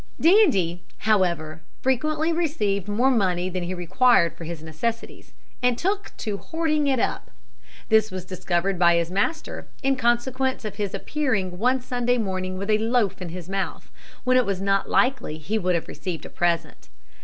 Dandie, however, frequently received more money than he required for his necessities, and took to hoarding it up. This was discovered by his master, in consequence of his appearing one Sunday morning with a loaf in his mouth, when it was not likely he would have received a present.